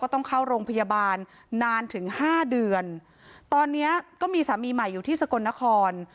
ต้องเข้าโรงพยาบาลนานถึงห้าเดือนตอนเนี้ยก็มีสามีใหม่อยู่ที่สกลนคร